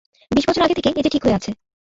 বিশ বছর আগে থেকে এ যে ঠিক হয়ে আছে।